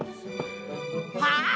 はあ？